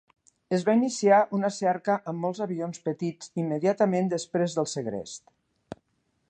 Es va iniciar una cerca amb molts avions petits immediatament després del segrest.